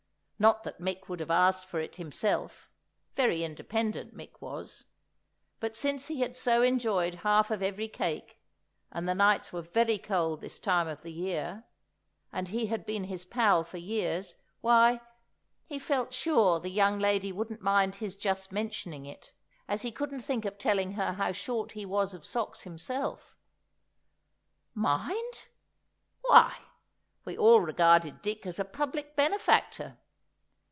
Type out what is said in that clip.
Not that Mick would have asked for it himself, very independent Mick was; but since he had so enjoyed half of every cake, and the nights were very cold this time of the year, and he had been his pal for years, why, he felt sure the young lady wouldn't mind his just mentioning it, as he couldn't think of telling her how short he was of socks himself. Mind! Why, we all regarded Dick as a public benefactor!